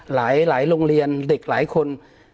หลายโรงเรียนเด็กหลายคน